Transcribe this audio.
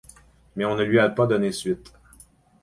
Mais on ne lui a pas donné suite.